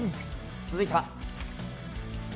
続いては。